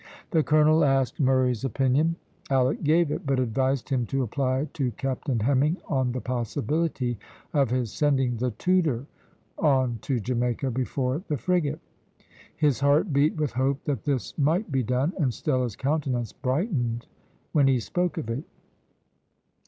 The colonel asked Murray's opinion. Alick gave it, but advised him to apply to Captain Hemming on the possibility of his sending the Tudor on to Jamaica before the frigate. His heart beat with hope that this might be done, and Stella's countenance brightened when he spoke of it.